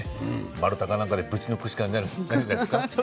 丸太かなんかでぶち抜くしかないんじゃないですか。